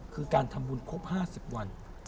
คือการทำบุญครบ๕๐วัน